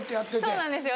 そうなんですよ